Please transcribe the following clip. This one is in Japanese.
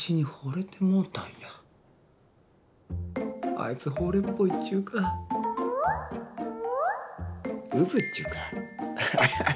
あいつほれっぽいっちゅうかうぶっちゅうかアハハ